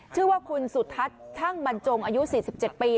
ชื่อว่าคุณสุทัศน์ช่างบรรจงอายุ๔๗ปี